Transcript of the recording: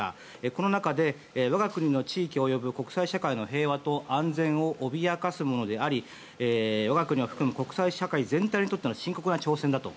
この中で我が国の地域及び国際社会の平和と安全を脅かすものであり我が国を含む国際社会全体にとって深刻な挑戦だと。